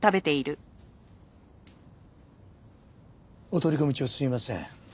お取り込み中すいません。